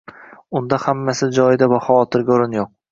– unda hammasi joyida va xavotirga o‘rin yo‘q.